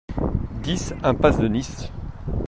dix impasse de Nice